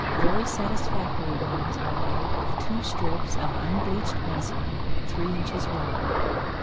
Very satisfactory ones are made of two strips of unbleached muslin, three inches wide.